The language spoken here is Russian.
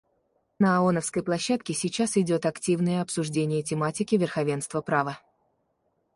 На ооновской площадке сейчас идет активное обсуждение тематики верховенства права.